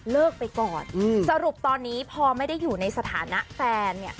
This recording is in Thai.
เลิกไปก่อนสรุปตอนนี้พอไม่ได้อยู่ในสถานะแฟนเนี่ย